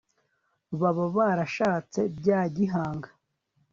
baba barashatse bya gihanga